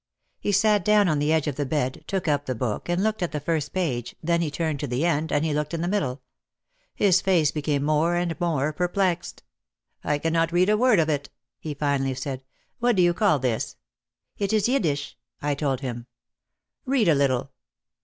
He sat down on the edge of the bed, took up the book and looked at the first page, then he turned to the end, and he looked in the middle. His face became more and more perplexed. "I cannot read a word of it," he finally said. "What do you call this?" "It is Yiddish," I told him. "Read a little."